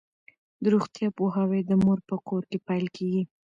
د روغتیا پوهاوی د مور په کور کې پیل کیږي.